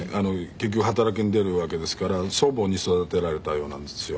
結局働きに出るわけですから祖母に育てられたようなんですよ